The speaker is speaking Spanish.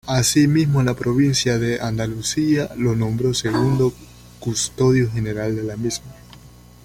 Asimismo la provincia de Andalucía lo nombró segundo custodio general de la misma.